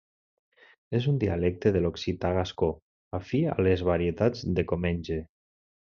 És un dialecte de l'occità gascó, afí a les varietats de Comenge.